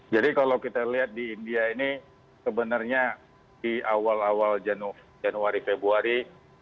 jadi kalau kita lihat di india ini sebenarnya di awal awal januari februari